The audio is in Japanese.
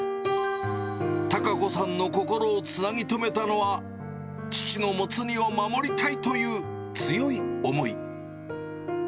孝子さんの心をつなぎ止めたのは、父のモツ煮を守りたいという強い思い。